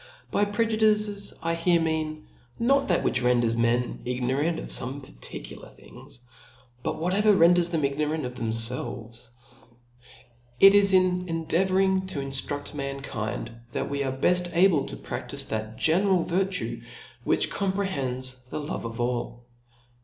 By prq indices, I here nacan, rtot that which renders; m?n ig norant of fome particular things, but whatever renders tbem ignorant of thcpfelvcj. It is in endeavouring to inftrufl: mankind^ that we are beft able to praftife that general virtue, which comprehends the love of all.